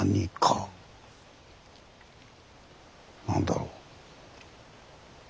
何だろう。